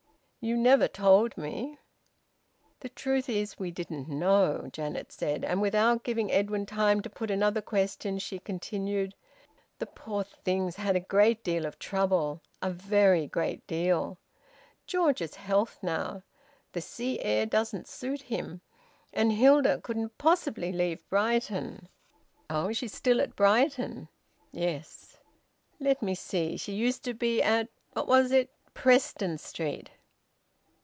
"You never told me." "The truth is, we didn't know," Janet said, and without giving Edwin time to put another question, she continued: "The poor thing's had a great deal of trouble, a very great deal. George's health, now! The sea air doesn't suit him. And Hilda couldn't possibly leave Brighton." "Oh! She's still at Brighton?" "Yes." "Let me see she used to be at what was it? Preston Street?"